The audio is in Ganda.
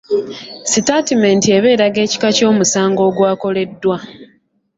Sitaatimenti eba eraga ekika ky'omusango ogwakoleddwa.